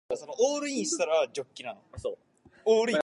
Such regeneration usually takes about a month.